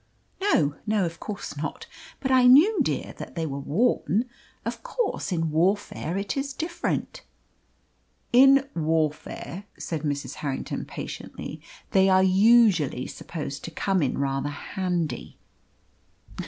"No no, of course not; but I knew, dear, that they were worn. Of course, in warfare it is different." "In warfare," said Mrs. Harrington patiently, "they are usually supposed to come in rather handy."